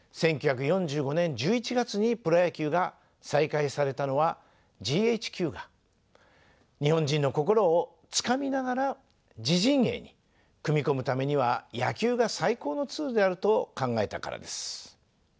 １９４５年１１月にプロ野球が再開されたのはＧＨＱが日本人の心をつかみながら自陣営に組み込むためには野球が最高のツールであると考えたからです。